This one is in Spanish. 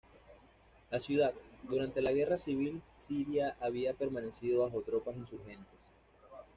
La ciudad, durante la Guerra civil siria había permanecido bajo tropas insurgentes.